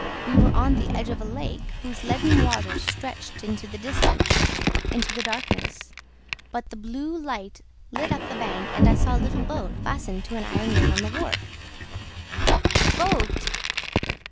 We were on the edge of a lake, whose leaden waters stretched into the distance, into the darkness; but the blue light lit up the bank and I saw a little boat fastened to an iron ring on the wharf!" "A boat!"